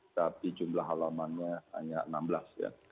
tapi jumlah halamannya hanya enam belas ya